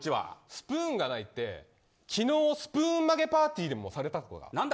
スプーンがないって、きのうスプーン曲げパーティーでもされたってこと。